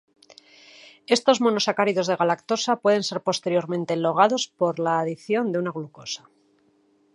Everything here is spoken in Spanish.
Estos monosacáridos de galactosa pueden ser posteriormente elongados por la adición de una glucosa.